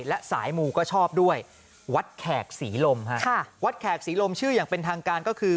และสายมูก็ชอบด้วยวัดแขกศรีลมฮะค่ะวัดแขกศรีลมชื่ออย่างเป็นทางการก็คือ